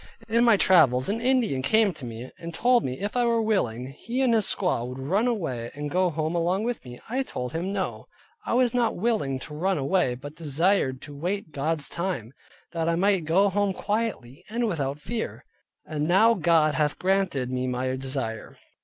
In my travels an Indian came to me and told me, if I were willing, he and his squaw would run away, and go home along with me. I told him no: I was not willing to run away, but desired to wait God's time, that I might go home quietly, and without fear. And now God hath granted me my desire.